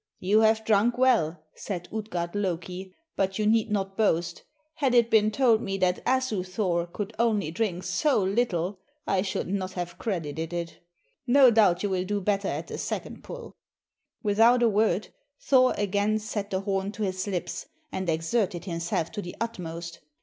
"You have drunk well," said Utgard Loki; "but you need not boast. Had it been told me that Asu Thor could only drink so little, I should not have credited it. No doubt you will do better at the second pull." Without a word, Thor again set the horn to his lips and exerted himself to the utmost.